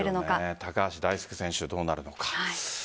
高橋大輔選手、どうなるのか。